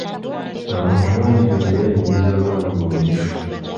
Abantu bangi kati bayingizza abaana mu bulimi.